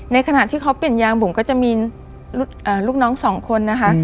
ขณะที่เขาเปลี่ยนยางบุ๋มก็จะมีลูกน้องสองคนนะคะ